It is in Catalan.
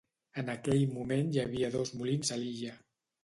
En aquell moment hi havia dos molins a l'illa.